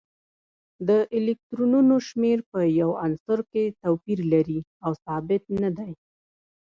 د الکترونونو شمیر په هر عنصر کې توپیر لري او ثابت نه دی